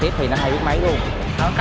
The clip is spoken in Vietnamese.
thì thấy là hơi tiếc